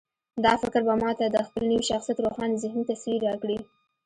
دا فکر به ما ته د خپل نوي شخصيت روښانه ذهني تصوير راکړي.